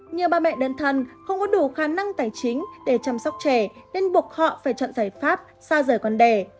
nhờ bà mẹ đơn thân không có đủ khả năng tài chính để chăm sóc trẻ nên buộc họ phải chọn giải pháp xa rời con đẻ